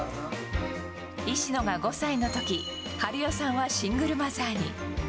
石野が５歳のとき、春代さんはシングルマザーに。